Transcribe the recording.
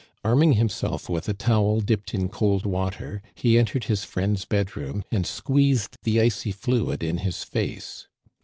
Arming himself with a towel dipped in cold water, he entered his friend's bedroom and squeezed the icy fluid in his face.